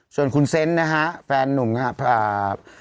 ส่วนคุณเซนต์นะฮะแฟนนุ่มครับ